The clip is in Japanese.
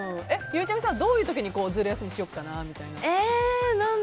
ゆうちゃみさん、どういう時にズル休みしよっかなみたいな。